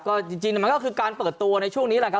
ก็จริงมันก็คือการเปิดตัวในช่วงนี้แหละครับ